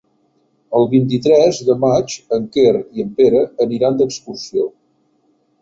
El vint-i-tres de maig en Quer i en Pere aniran d'excursió.